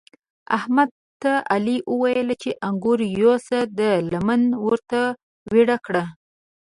احمد ته علي وويل چې انګور یوسه؛ ده لمن ورته ويړه کړه.